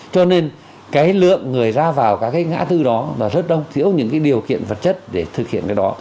cho nên cái lượng người ra vào các cái ngã tư đó là rất đông thiếu những cái điều kiện vật chất để thực hiện cái đó